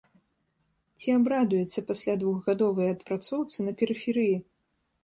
Ці абрадуецца пасля двухгадовай адпрацоўцы на перыферыі?